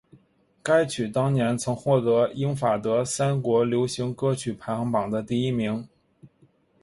该曲当年曾获得英法德三国流行歌曲排行榜的第一名。